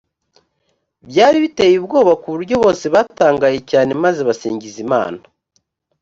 byari biteye ubwoba ku buryo bose batangaye cyane maze basingiza imana